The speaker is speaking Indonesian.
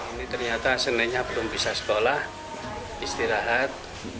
ini ternyata seninya belum bisa sekolah istirahat